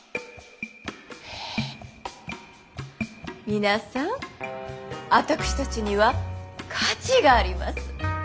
皆さん私たちには価値があります。